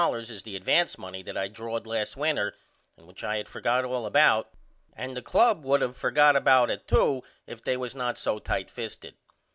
00 is the advance money that I drawed last winter and which I had forgot all about and the club would of forgot about it to if they was not so tight fisted.